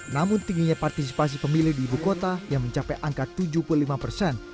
namun tingginya partisipasi pemilih di ibu kota yang mencapai angka tujuh puluh lima persen